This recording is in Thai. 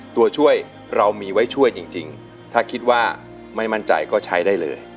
ตัวช่วยเรามีไว้ช่วยจริงถ้าคิดว่าไม่มั่นใจก็ใช้ได้เลย